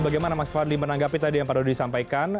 bagaimana mas fadli menanggapi tadi yang pada disampaikan